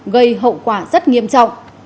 gây hậu quả rất nghiêm trọng